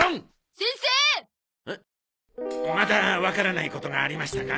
またわからないことがありましたか？